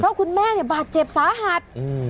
เพราะคุณแม่เนี่ยบาดเจ็บสาหัส